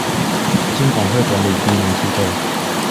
金管會管理金融機構